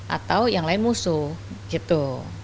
atau yang lain musuh gitu